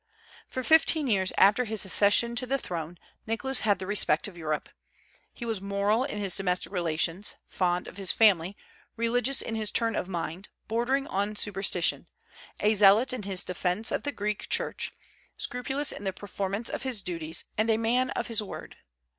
For fifteen years after his accession to the throne Nicholas had the respect of Europe. He was moral in his domestic relations, fond of his family, religious in his turn of mind, bordering on superstition, a zealot in his defence of the Greek Church, scrupulous in the performance of his duties, and a man of his word.